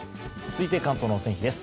続いて、関東の天気です。